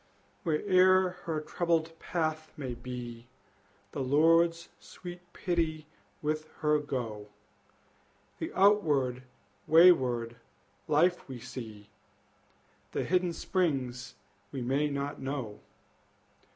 Where'er her troubled path may be, The Lord's sweet pity with her go! The outward wayward life we see, The hidden springs we may not know.